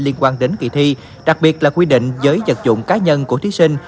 liên quan đến kỳ thi đặc biệt là quy định giới dật dụng cá nhân của thí sinh